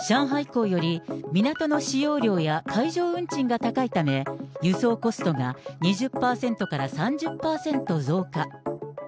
港より港の使用料や海上運賃が高いため、輸送コストが２０％から３０％増加。